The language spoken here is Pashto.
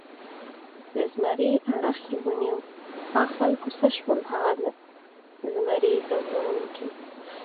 د زمري اړخ یې ونیو، آ خلکو څه شول هغه د زمري ځوروونکي؟